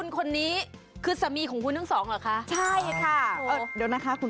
ก็ถึงขั้นท้อง๖เดือนเลยนะคะ